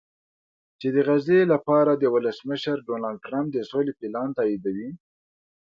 چې د غزې لپاره د ولسمشر ډونالډټرمپ د سولې پلان تاییدوي